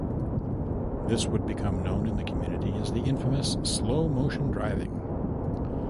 This would become known in the community as the infamous "slow-motion driving".